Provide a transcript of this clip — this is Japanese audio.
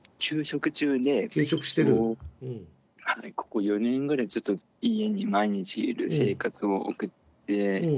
ここ４年ぐらいずっと家に毎日いる生活を送ってまして。